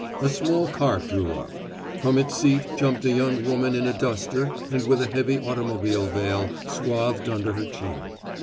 A small cart drew up; from its seat jumped a young woman in a duster and with a heavy automobile veil swathed under her chin.